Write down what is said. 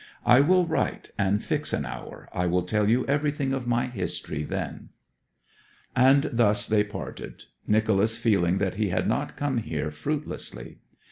'I will write and fix an hour. I will tell you everything of my history then.' And thus they parted, Nicholas feeling that he had not come here fruitlessly.